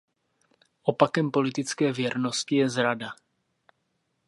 Opakem politické věrnosti je zrada.